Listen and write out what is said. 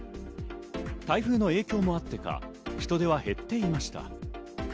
台風の影響もあってか人出は減っていました。